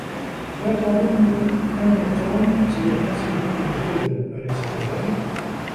لا تظن أن توم سيتصل بك مجددا، أليس كذلك؟